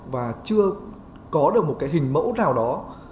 và chưa có được một hình mẫu nào đó